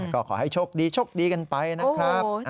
ก็ขอให้โชคดีโชคดีกันไปนะครับ